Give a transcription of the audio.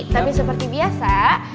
tapi seperti biasa